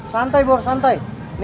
santai bor santai